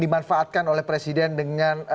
dimanfaatkan oleh presiden dengan